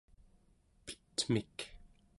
petmik